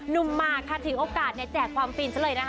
หมากค่ะถึงโอกาสแจกความฟินซะเลยนะคะ